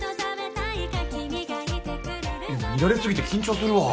見られすぎて緊張するわ。